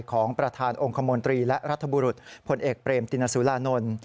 ของประธานองค์คมนตรีและรัฐบุรุษพลเอกเปรมตินสุรานนท์